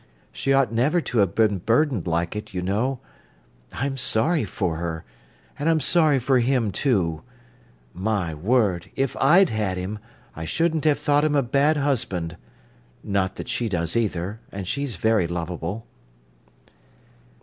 She ought never to have been burdened like it, you know. I'm sorry for her, and I'm sorry for him too. My word, if I'd had him, I shouldn't have thought him a bad husband! Not that she does either; and she's very lovable."